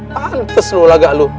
pantes lu lagak lu